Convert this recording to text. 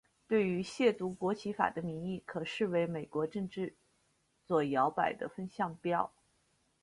对于亵渎国旗法的民意可视为美国政治左摇摆的风向标。